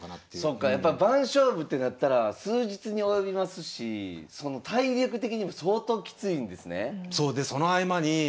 そっかやっぱ番勝負ってなったら数日に及びますし体力的にも相当きついんですね？